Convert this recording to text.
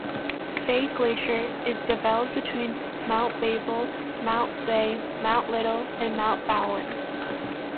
Fay Glacier is developed between Mount Babel, Mount Fay, Mount Little and Mount Bowlen.